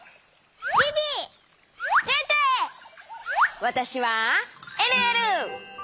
わたしはえるえる！